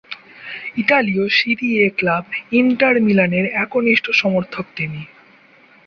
ইতালীয় Serie A club Inter মিলানের একনিষ্ঠ সমর্থক তিনি।